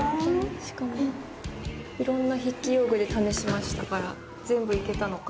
しかも色んな筆記用具で試しましたから全部いけたのか。